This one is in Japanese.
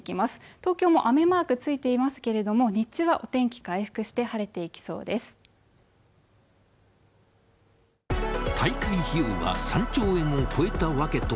東京も雨マークついていますけれども、日中はお天気回復して、晴れていきそうです。